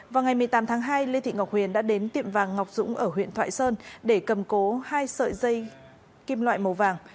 vào ngày một mươi tám tháng hai lê thị ngọc huyền đã đến tiệm vàng ngọc dũng ở huyện thoại sơn để cầm cố hai sợi dây kim loại màu vàng